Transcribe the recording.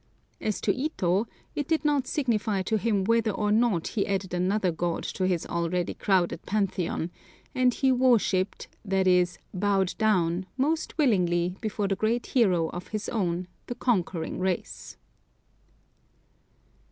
As to Ito, it did not signify to him whether or not he added another god to his already crowded Pantheon, and he "worshipped," i.e. bowed down, most willingly before the great hero of his own, the conquering race.